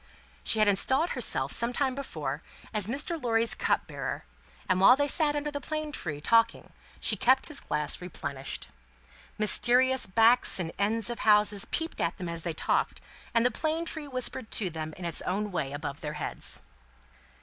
She had installed herself, some time before, as Mr. Lorry's cup bearer; and while they sat under the plane tree, talking, she kept his glass replenished. Mysterious backs and ends of houses peeped at them as they talked, and the plane tree whispered to them in its own way above their heads.